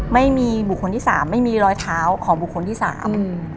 ไม่มีบุคคลที่สามไม่มีรอยเท้าของบุคคลที่สามอืม